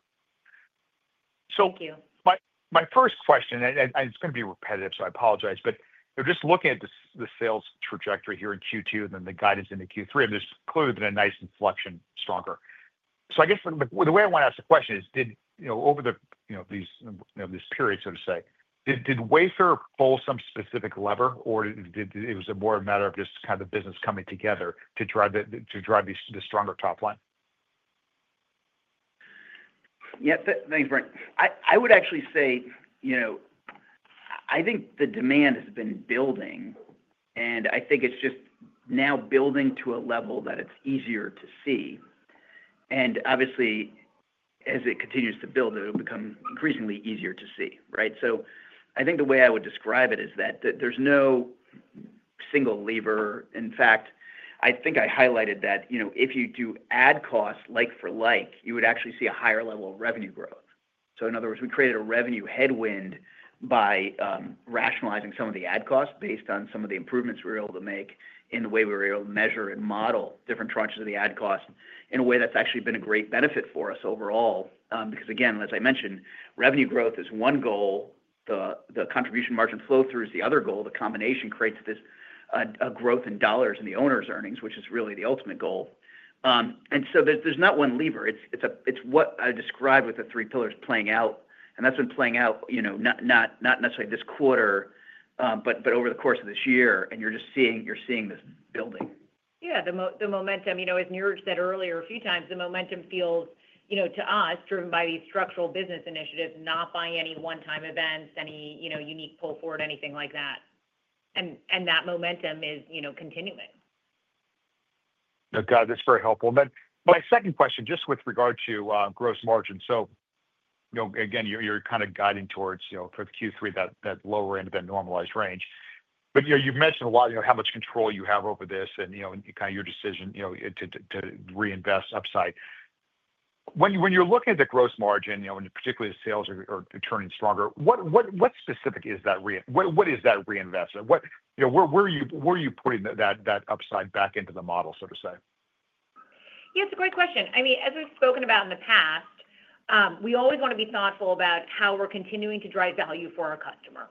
My first question, and it's going to be repetitive, so I apologize. Just looking at the sales trajectory here in Q2, then the guidance in Q3, and there's clearly been a nice inflection, stronger. I guess the way I want to ask the question is did, you know, over these periods, did Wayfair pull some specific lever or was it more a matter of this kind of business coming together to drive the stronger top line? Yeah, thanks, Brian. I would actually say I think the demand has been building and I think it's just now building to a level that it's easier to see. Obviously, as it continues to build, it'll become increasingly easier to see. I think the way I would describe it is that there's no single lever. In fact, I think I highlighted that if you do ad costs, like for like, you would actually see a higher level of revenue growth. In other words, we created a revenue headwind by rationalizing some of the ad costs based on some of the improvements we were able to make in the way we were able to measure and model different tranches of the ad cost. In a way, that's actually been a great benefit for us overall because, again, as I mentioned, revenue growth is one goal. The contribution margin flow through is the other goal. The combination creates this growth in dollars in the owner's earnings, which is really the ultimate goal. There's not one lever. It's what I described with the three pillars playing out, and that's been playing out not necessarily this quarter but over the course of this year. You're just seeing this building. The momentum, as Niraj said earlier a few times, feels to us driven by these structural business initiatives, not by any one-time events, any unique pull forward, anything like that. That momentum is continuing. Okay, that's very helpful. My second question just with regard to gross margin, so again you're kind of guiding towards Q3, that lower end of that normalized range. You've mentioned a lot how much control you have over this and your decision to reinvest upside. When you're looking at the gross margin, particularly as sales are turning stronger, what specific is that? What is that reinvestment? Where are you putting that upside back into the model, so to say. Yes, a great question. As we've spoken about in the past, we always want to be thoughtful about how we're continuing to drive value for our customer.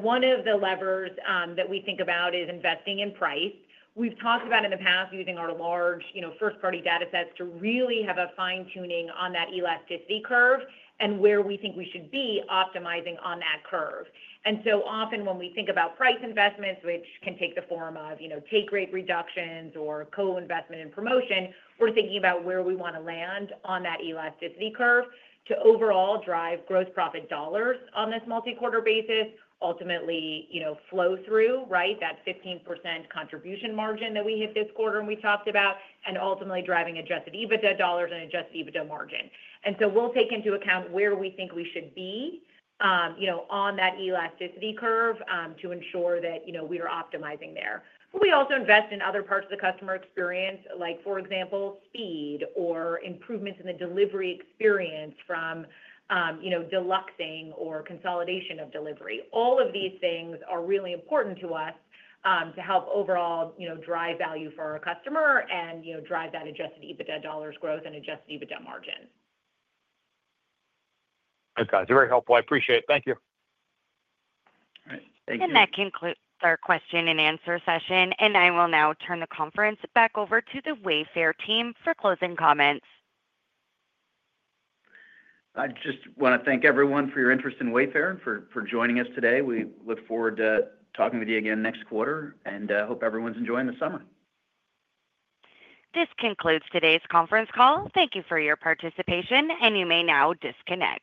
One of the levers that we think about is investing in price. We've talked about in the past using our large, you know, first party data sets to really have a fine tuning on that elasticity curve and where we think we should be optimizing on that curve. Often when we think about price investments, which can take, you know, take rate reductions or co-investment in promotion, we're thinking about where we want to land on that elasticity curve to overall drive gross profit dollars on this multi-quarter basis, ultimately, you know, flow through. That 15% contribution margin that we hit this quarter and we talked about, and ultimately driving adjusted EBITDA dollars and adjusted EBITDA margin. We'll take into account where we think we should be, you know, on that elasticity curve to ensure that, you know, we are optimizing there. We also invest in other parts of the customer experience, like for example speed or improvements in the delivery experience from, you know, deluxing or consolidation of delivery. All of these things are really important to us to help overall, you know, drive value for our customer and, you know, drive that adjusted EBITDA dollars growth and adjusted EBITDA margin. Okay, very helpful. I appreciate it. Thank you. That concludes our question and answer session. I will now turn the conference back over to the Wayfair team for closing comments. I just want to thank everyone for your interest in Wayfair and for joining us today. We look forward to talking with you again next quarter and hope everyone's enjoying the summer. This concludes today's conference call. Thank you for your participation, and you may now disconnect.